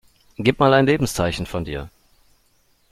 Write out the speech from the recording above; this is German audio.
Gib mal ein Lebenszeichen von dir!